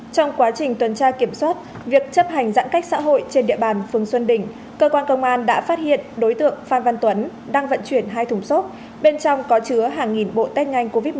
trong quá trình tuần tra kiểm soát việc chấp hành giãn cách xã hội trên địa bàn phường xuân đình cơ quan công an đã phát hiện đối tượng phan văn tuấn đang vận chuyển hai thùng xốp bên trong có chứa hàng nghìn bộ test nhanh covid một mươi chín